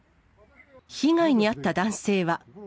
被害に遭った男性は。